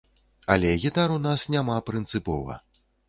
Але гітар у нас няма прынцыпова.